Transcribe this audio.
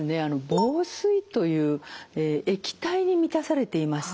房水という液体に満たされていまして